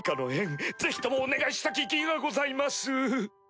ぜひともお願いしたき儀がございます！